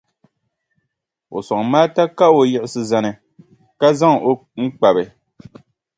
O sɔŋ Maata ka o yiɣisi zani, ka zaŋ o n-kpabi.